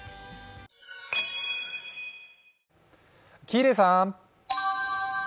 喜入さん！